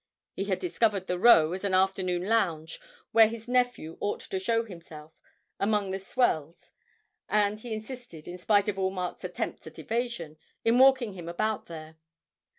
He had discovered the Row as an afternoon lounge where his nephew ought to show himself 'among the swells,' and he insisted, in spite of all Mark's attempts at evasion, in walking him about there.